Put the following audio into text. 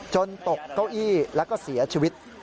ตกเก้าอี้แล้วก็เสียชีวิต